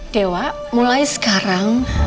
dewa mulai sekarang